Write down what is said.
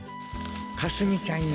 「かすみちゃんへ。